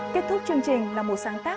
kết thúc chương trình là một sáng tác